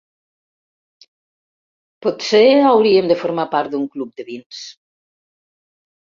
Potser hauríem de formar part d'un club de vins.